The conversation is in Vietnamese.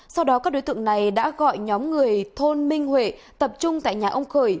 sau đó các đối tượng này đã gọi nhóm người thôn minh huệ tập trung tại nhà ông khởi